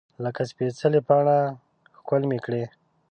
لکه سپیڅلې پاڼه ښکل مې کړې